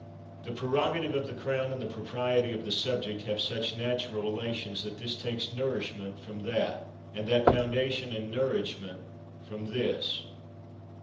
The prerogative of the crown and the propriety of the subject have such natural relations that this takes nourishment from that, and that foun dation and nourishment from this.